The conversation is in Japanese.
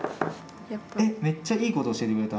えっめっちゃいいこと教えてくれた。